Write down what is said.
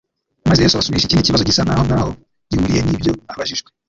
maze Yesu abasubirisha ikindi kibazo gisa naho ntaho gihuriye n’ibyo abajijwe,